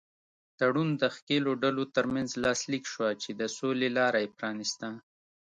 تړون د ښکېلو ډلو تر منځ لاسلیک شوه چې د سولې لاره یې پرانیسته.